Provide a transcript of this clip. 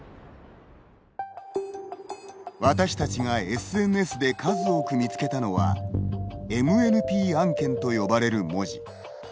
私たちがＳＮＳで数多く見つけたのはＭＮＰ案件と呼ばれる文字。